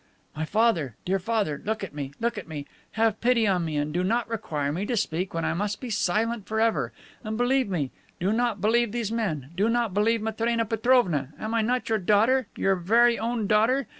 "My father! Dear Father! Look at me! Look at me! Have pity on me, and do not require me to speak when I must be silent forever. And believe me! Do not believe these men! Do not believe Matrena Petrovna. And am I not your daughter? Your very own daughter!